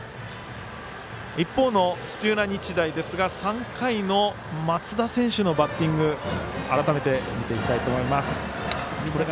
一方の土浦日大ですが３回の松田選手のバッティング改めて見ていきたいと思います。